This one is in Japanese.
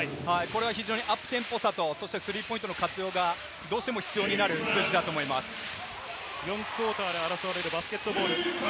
非常にアップテンポさと、スリーポイントの活用がどうしても必要４クオーターで争われるバスケットボール。